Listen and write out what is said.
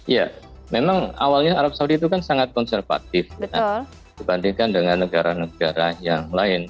ya memang awalnya arab saudi itu kan sangat konservatif dibandingkan dengan negara negara yang lain